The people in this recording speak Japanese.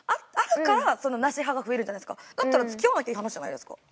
だったら付き合わなきゃいい話じゃないですか。